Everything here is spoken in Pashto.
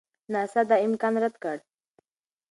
ناسا دا امکان رد کړ.